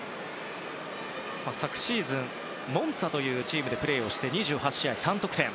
昨シーズンモンツァというチームでプレーして、２８試合３得点。